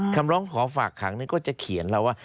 คำร้องขอฝากขังนี่ก็จะเขียนเราว่า